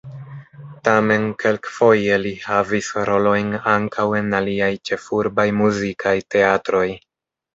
Tamen kelkfoje li havis rolojn ankaŭ en aliaj ĉefurbaj muzikaj teatroj.